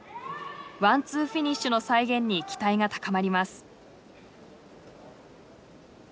ワンツーフィニッシュの再現に期待が高まります。